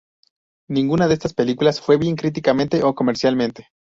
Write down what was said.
Ninguna de estas películas fue bien críticamente o comercialmente.